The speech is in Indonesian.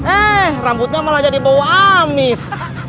eh rambutnya malah jadi bau amis